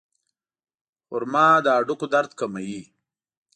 خرما د هډوکو درد کموي.